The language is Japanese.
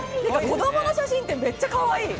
子供の写真ってめっちゃかわいい！